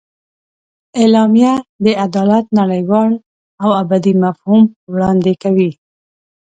اعلامیه د عدالت نړیوال او ابدي مفهوم وړاندې کوي.